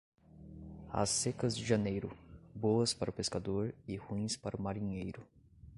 As secas de janeiro, boas para o pescador e ruins para o marinheiro.